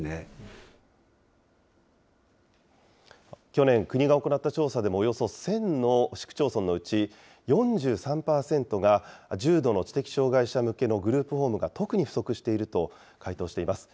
去年、国が行った調査でもおよそ１０００の市区町村のうち、４３％が、重度の知的障害者向けのグループホームが特に不足していると回答しています。